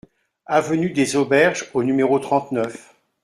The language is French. Avenue des Auberges au numéro trente-neuf